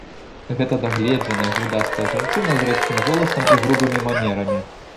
Гэта дагледжаная, грудастая жанчына з рэзкім голасам і грубымі манерамі.